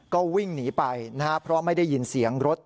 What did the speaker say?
ก็วิ่งหนีไปนะครับเพราะไม่ได้ยินเสียงรถ